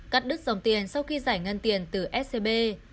cắt đứt dòng tiền sau khi giải ngân tiền từ scb